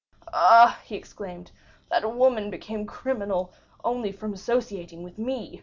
"Ah," he exclaimed, "that woman became criminal only from associating with me!